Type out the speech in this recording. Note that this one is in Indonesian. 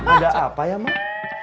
ada apa ya mak